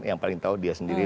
yang paling tahu dia sendiri